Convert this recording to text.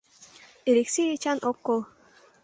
Элексей Эчан ок кол.